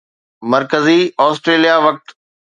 مرڪزي آسٽريليا وقت